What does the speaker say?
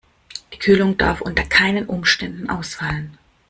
Die Kühlung darf unter keinen Umständen ausfallen.